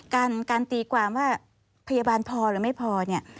การการตีความว่าพยาบาลพอหรือไม่พอเนี่ย